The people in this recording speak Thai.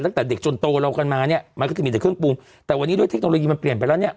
ตั้งแต่เด็กจนโตเรากันมาเนี่ยมันก็จะมีแต่เครื่องปรุงแต่วันนี้ด้วยเทคโนโลยีมันเปลี่ยนไปแล้วเนี่ย